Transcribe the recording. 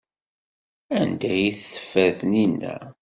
Anda ay t-teffer Taninna?